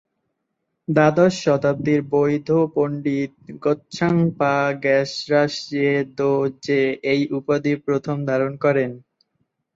দ্বাদশ শতাব্দীর বৌদ্ধ পণ্ডিত গ্ত্সাং-পা-র্গ্যা-রাস-য়ে-র্দো-র্জে এই উপাধি প্রথম ধারণ করেন।